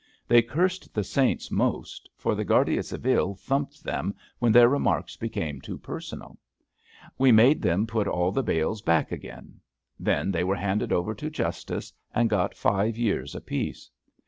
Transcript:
They cursed the saints most, for the Guarda Civile thumped 'em when their remarks became too personal. We made them put all the bales back again. Then they were handed over to justice and got five years apiece.